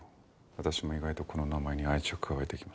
私も意外とこの名前に愛着が湧いてきました。